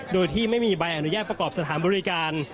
โดยที่ไม่มีใบอนุญาตประกอบสถานบริการ